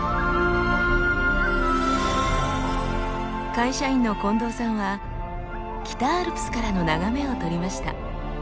会社員の近藤さんは北アルプスからの眺めを撮りました。